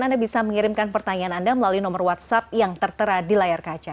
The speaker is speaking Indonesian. anda bisa mengirimkan pertanyaan anda melalui nomor whatsapp yang tertera di layar kaca